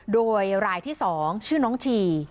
โดยรายที่๒ชื่อน้องชี